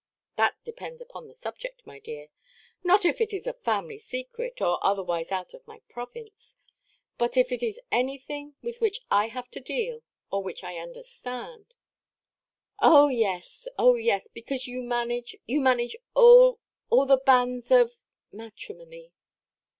"That depends upon the subject, my dear. Not if it is a family–secret, or otherwise out of my province. But if it is anything with which I have to deal, or which I understand——" "Oh yes, oh yes! Because you manage, you manage all—all the banns of matrimony."